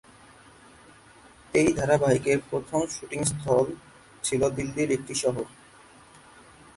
এই ধারাবাহিকের প্রথম শ্যুটিং স্থল ছিল দিল্লির একটি শহর।